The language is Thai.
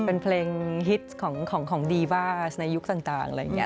เป็นเพลงฮิตของดีบ้าในยุคต่างอะไรอย่างนี้